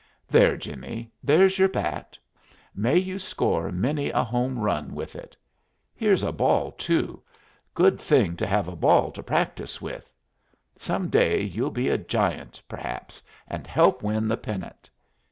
There, Jimmie there's your bat. May you score many a home run with it. Here's a ball, too good thing to have a ball to practise with. Some day you'll be a Giant, perhaps, and help win the pennant.